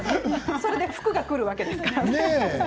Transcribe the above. それで福がくるんですから。